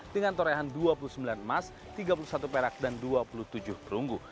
dengan torehan dua puluh sembilan emas tiga puluh satu perak dan dua puluh tujuh perunggu